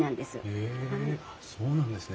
へえあっそうなんですね。